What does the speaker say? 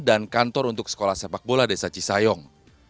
dan kantor untuk sekolah sepak bola desa cisayong